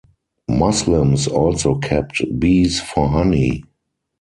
Muslims also kept bees for honey.